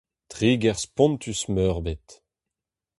Tri ger spontus meurbet !